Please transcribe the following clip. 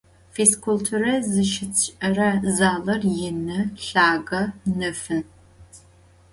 Fizkulture zışıtş'ıre zalır yinı, lhage, nefın.